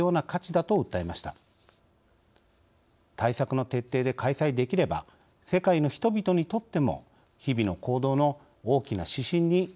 対策の徹底で開催できれば世界の人々にとっても日々の行動の大きな指針になるかもしれません。